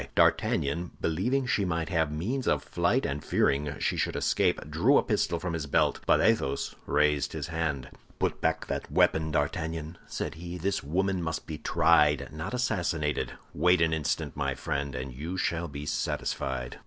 D'Artagnan, believing she might have means of flight and fearing she should escape, drew a pistol from his belt; but Athos raised his hand. "Put back that weapon, D'Artagnan!" said he; "this woman must be tried, not assassinated. Wait an instant, my friend, and you shall be satisfied.